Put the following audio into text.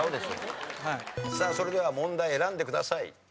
さあそれでは問題選んでください。